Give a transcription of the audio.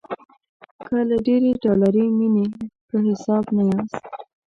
که له ډېرې ډالري مینې په حساب نه یاست.